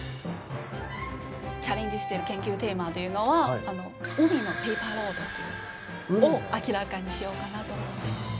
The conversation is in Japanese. チャレンジしている研究テーマというのは海のペーパーロードというのを明らかにしようかなと思ってます。